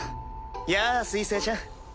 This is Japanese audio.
・やあ水星ちゃん。